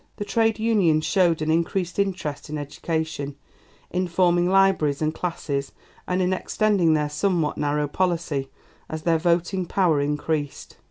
The Trade Unions showed an increased interest in education, in forming libraries and classes, and in extending their somewhat narrow policy as their voting power increased.